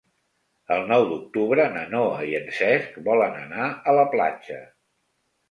El nou d'octubre na Noa i en Cesc volen anar a la platja.